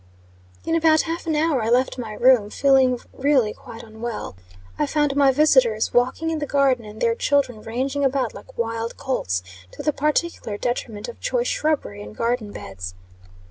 In about half an hour I left my room, feeling really quite unwell. I found my visitors walking in the garden, and their children ranging about like wild colts, to the particular detriment of choice shrubbery and garden beds.